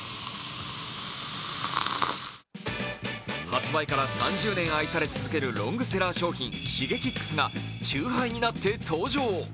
発売から３０年愛され続けるロングセラー商品、シゲキックスがチューハイになって登場。